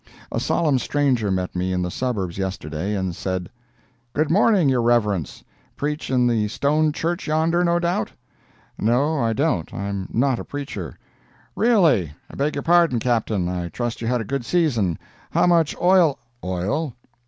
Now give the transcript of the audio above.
A solemn stranger met me in the suburbs yesterday, and said: "Good morning, your reverence. Preach in the stone church yonder, no doubt?" "No, I don't. I'm not a preacher." "Really, I beg your pardon, Captain. I trust you had a good season. How much oil—" "Oil?